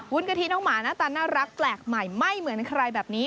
กะทิน้องหมาหน้าตาน่ารักแปลกใหม่ไม่เหมือนใครแบบนี้